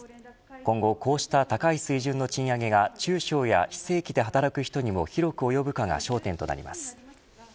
今後こうした高い水準の賃上げが中小や非正規で働く人にも広く及ぶかが焦点となります。